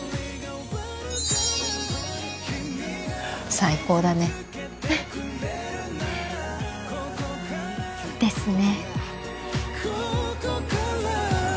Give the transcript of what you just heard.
最高だね。ですね。